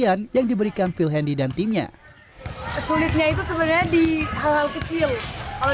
yang diberikan phil handy dan timnya sulitnya itu sebenarnya di hal hal kecil kalau